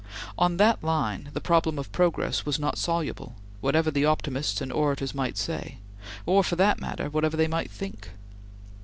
On that line, the problem of progress was not soluble, whatever the optimists and orators might say or, for that matter, whatever they might think.